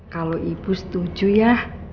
kalau ibu setuju ya